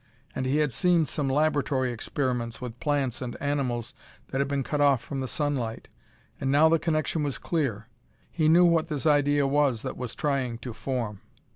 And he had seen some laboratory experiments with plants and animals that had been cut off from the sunlight and now the connection was clear; he knew what this idea was that was trying to form.